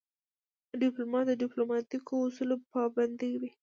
ډيپلومات د ډیپلوماتیکو اصولو پابند وي.